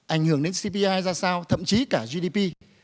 ảnh hưởng đến cpi ra sao thậm chí cả gdp